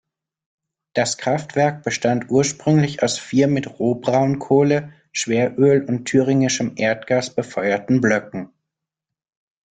Das Kraftwerk bestand ursprünglich aus vier mit Rohbraunkohle, Schweröl und thüringischem Erdgas befeuerten Blöcken.